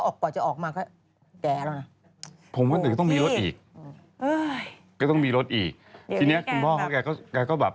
ก็๓๐กว่าปีแต่ว่าต้องกระบ่อนชีวิตเหลือ๓๐กว่าปี